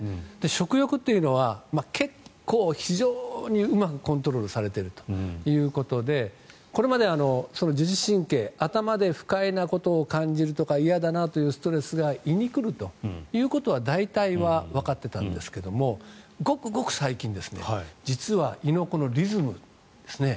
食欲というのは結構、非常にうまくコントロールされているということでこれまで自律神経頭で不快なことを感じるとか嫌だなというストレスが胃に来るということは大体はわかっていたんですがごくごく最近実は胃のリズムですね。